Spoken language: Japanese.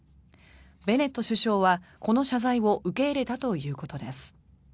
ベネット首相はこの謝罪を受け入れたということです。